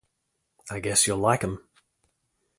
I guess you'll like 'em.